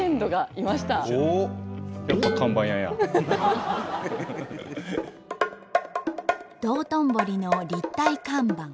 なんと道頓堀の立体看板。